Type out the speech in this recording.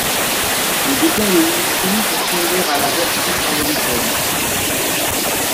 Les décors de l'émission sont similaires à la version américaine.